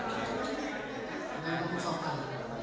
di bawah dan di bawah